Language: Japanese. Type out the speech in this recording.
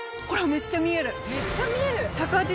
めっちゃ見える。